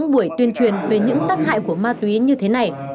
và tội phạm ma túy